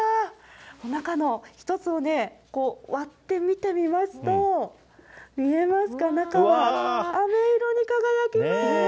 この中の一つをね、こう、割って見てみますと、見えますか、中はあめ色に輝きます。